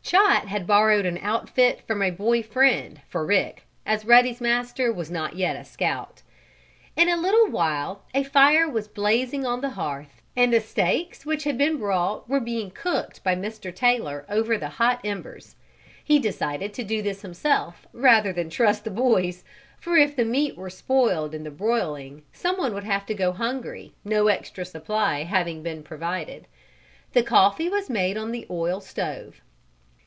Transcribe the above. Chot had borrowed an outfit from a boy friend, for Rick, as Ruddy's master, was not yet a Scout. In a little while a fire was blazing on the hearth, and the steaks which had been brought were being cooked by Mr. Taylor over the hot embers. He decided to do this himself rather than trust the boys, for if the meat were spoiled in the broiling some one would have to go hungry, no extra supply having been provided. The coffee was made on the oil stove.